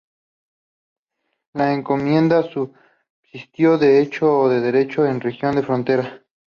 La encomienda subsistió de hecho o de derecho en regiones de frontera.